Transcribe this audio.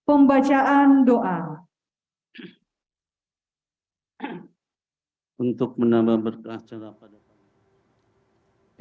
untuk menambah berkah acara pada